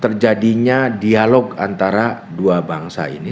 terjadinya dialog antara dua bangsa ini